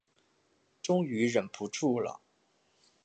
终于忍不住了